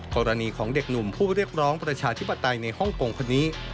กรณีของเด็กหนุ่มผู้เรียกร้องประชาธิปไตยในฮ่องกงคนนี้